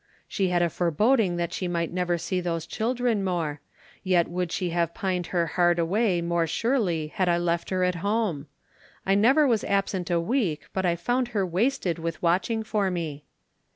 She had a foreboding that she might never see those children more, yet would she have pined her heart away more surely had I left her at home! I never was absent a week but I found her wasted with watching for me."